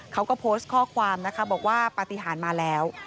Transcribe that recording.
เขาก็โพสต์ข้อความนะคะบอกว่าปฏิหารมาแล้ว